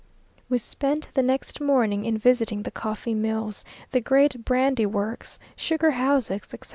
We spent the next morning in visiting the coffee mills, the great brandy works, sugar houses, etc.